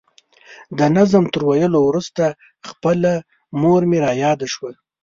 د نظم تر ویلو وروسته خپله مور مې را یاده شوه.